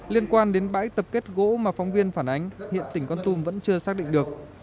liên quan đến bãi tập kết gỗ mà phóng viên phản ánh hiện tỉnh con tum vẫn chưa xác định được